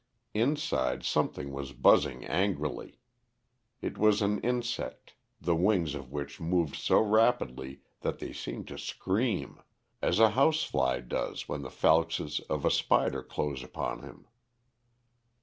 Inside something was buzzing angrily. It was an insect, the wings of which moved so rapidly that they seemed to scream, as a house fly does when the falces of a spider close upon him.